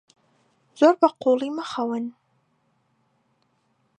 زۆر بەقووڵی مەخەون.